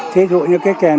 thế dụ như cái đèn